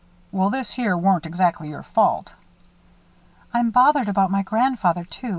"Well, this here weren't exactly your fault." "I'm bothered about my grandfather, too.